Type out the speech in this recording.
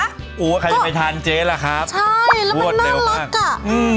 กูว่าใครจะไปทานเจ๊ล่ะครับใช่แล้วมันน่ารักอ่ะอืม